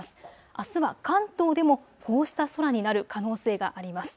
あすは関東でもこうした空になる可能性があります。